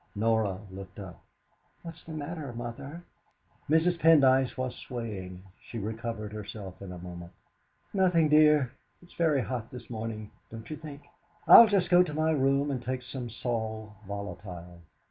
Norah looked up. "What's the matter, Mother?" Mrs. Pendyce was swaying. She recovered herself in a moment. "Nothing, dear. It's very hot this morning, don't you think? I'll Just go to my room and take some sal volatile."